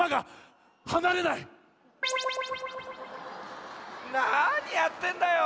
なにやってんだよ！